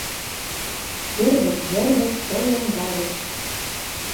Йырвык-йорвык пыл лоҥга гыч